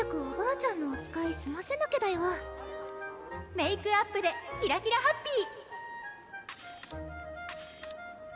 「メークアップでキラキラハッピー」